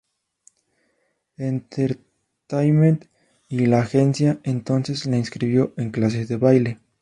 Entertainment, y la agencia entonces la inscribió en clases de baile.